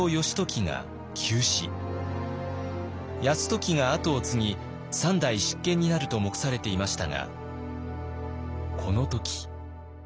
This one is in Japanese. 泰時が跡を継ぎ３代執権になると目されていましたがこの時。